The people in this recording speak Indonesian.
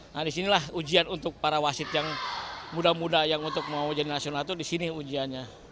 nah di sinilah ujian untuk para wasit yang muda muda yang untuk menguji nasional itu di sini ujiannya